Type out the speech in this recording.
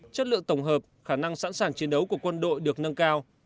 chất lượng tổng hợp khả năng sẵn sàng chiến đấu của quân đội được nâng cao